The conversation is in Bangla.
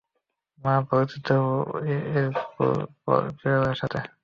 মা, পরিচিত হও এরকুল পোয়ারোর সাথে!